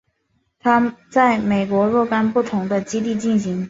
它在美国若干不同的基地进行。